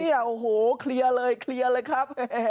โอ้โหเคลียร์เลยเคลียร์เลยครับ